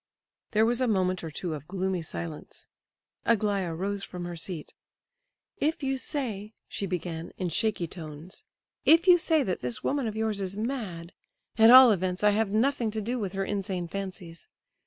There was a moment or two of gloomy silence. Aglaya rose from her seat. "If you say," she began in shaky tones, "if you say that this woman of yours is mad—at all events I have nothing to do with her insane fancies.